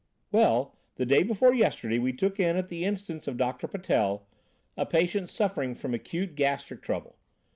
"Well, the day before yesterday, we took in at the instance of Doctor Patel, a patient suffering from acute gastric trouble.